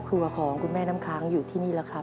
วันนี้ครอบครัวของคุณแม่น้ำค้างอยู่ที่นี่ละครับ